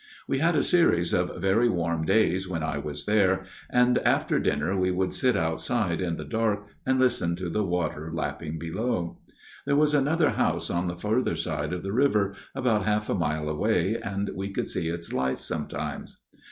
" We had a series of very warm days when I was there, and after dinner we would sit outside in the dark and listen to the water lapping below. There was another house on the further side of the river, about half a mile away, and we could see its lights sometimes.